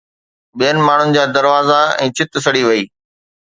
ٻين ماڻهن جا دروازا ۽ ڇت سڙي وئي